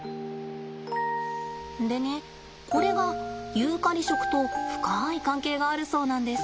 でねこれがユーカリ食と深い関係があるそうなんです。